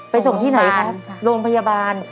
ส่งที่ไหนครับโรงพยาบาล